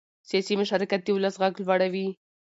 سیاسي مشارکت د ولس غږ لوړوي